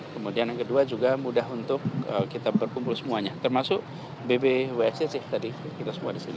kemudian yang kedua juga mudah untuk kita berkumpul semuanya termasuk bbwsc sih tadi kita semua di sini